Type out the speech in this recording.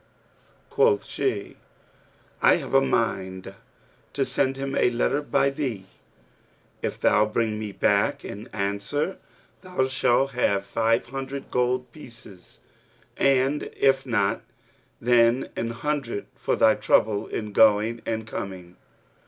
Quoth she, 'I have a mind to send him a letter by thee. If thou bring me back an answer, thou shalt have of me five hundred gold pieces; and if not, then an hundred for thy trouble in going and coming.'